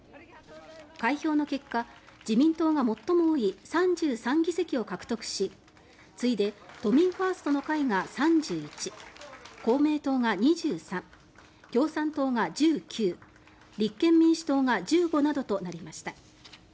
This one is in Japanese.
開票の結果、自民党が最も多い３３議席を獲得し次いで都民ファーストの会が３１公明党が２３、共産党が１９立憲民主党が１５などとなりました。